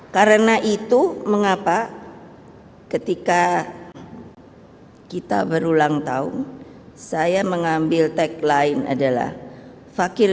karena itu mengapa ketika kita berulang tahun saya mengambil tagline adalah fakir